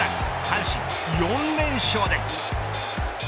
阪神、４連勝です。